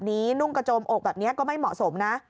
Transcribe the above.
นุ่งกระโจมอกแบบนี้ก็ไม่เหมาะสมนะ